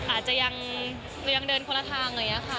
อาจจะยังเดินคนละทางอะไรอย่างนี้ค่ะ